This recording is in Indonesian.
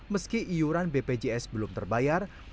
meski iuran bpjs ini tidak bisa dihubungkan dengan pembayaran bpjs